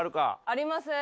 あります。